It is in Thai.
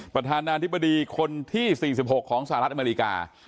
ประธานาธิบดีคนที่๔๖ของสหรัฐอเมริกา